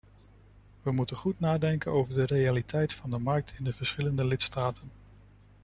We moeten goed nadenken over de realiteit van de markt in de verschillende lidstaten.